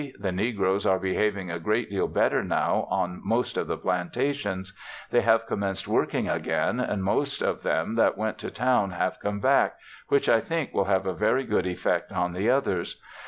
The negroes are behaving a great deal better now on most of the plantations; they have commenced working again, and most of them that went to town have come back, which I think will have a very good effect on the others.